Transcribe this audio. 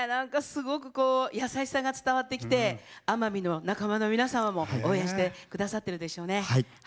すごく優しさが伝わってきて奄美の仲間の皆さんも応援してくださっているでしょうね。